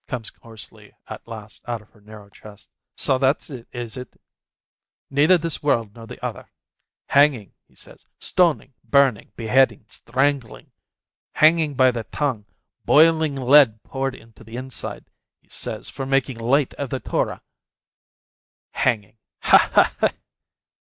comes hoarsely at last out of her narrow chest. "So that's it, is it? Neither this world nor the other. Hanging, he says, stoning, burning, beheading, strangling, hanging by the tongue, boiling lead poured into the inside, he says â€" for making light of the Torah â€" Hanging) ha, ha, ha!"